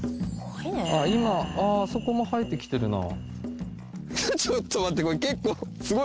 今あああそこも生えてきてるな。